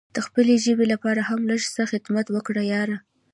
د خپلې ژبې لپاره هم لږ څه خدمت وکړه یاره!